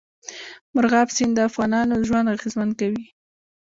مورغاب سیند د افغانانو ژوند اغېزمن کوي.